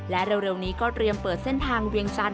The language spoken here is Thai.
และเร็วนี้ก็เตรียมเปิดเส้นทางเวียงจันท